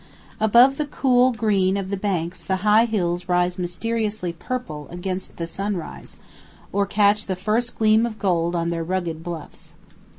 Above the cool green of the banks the high hills rise mysteriously purple against the sunrise, or catch the first gleam of gold on their rugged bluffs.